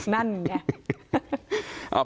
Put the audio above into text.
นั่นไง